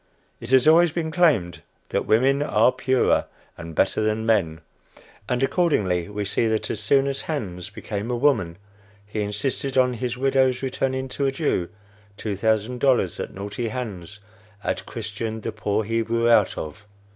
It has always been claimed that women are purer and better than men; and accordingly we see that as soon as Hans became a woman he insisted on his widow's returning to a Jew two thousand dollars that naughty Hans had "Christianed" the poor Hebrew out of.